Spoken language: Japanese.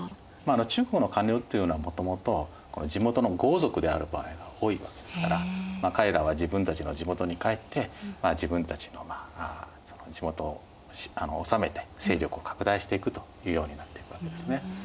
中国の官僚っていうのはもともと地元の豪族である場合が多いわけですから彼らは自分たちの地元に帰って自分たちの地元を治めて勢力を拡大していくというようになっていくわけですね。